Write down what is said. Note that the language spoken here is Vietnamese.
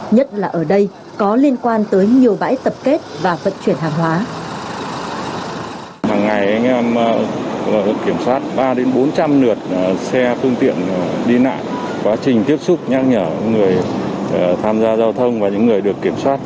nhất là ở đây có liên quan tới nhiều bãi tập kết và vận chuyển hàng hóa